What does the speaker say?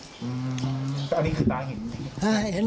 อืมอันนี้คือตายเห็น